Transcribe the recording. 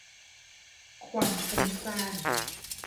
ความฟุ้งซ่าน